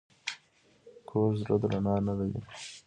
کوږ زړه رڼا نه لري